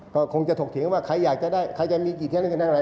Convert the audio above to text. ก็คงจะถกถึงว่าใครอยากจะได้ใครจะมีกี่เท่านั้นกันด้านไร